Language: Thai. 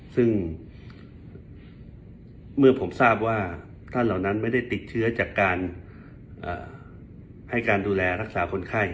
ซึ่งเมื่อผมทราบว่าท่านเหล่านั้นไม่ได้ติดเชื้อจากการให้การดูแลรักษาคนไข้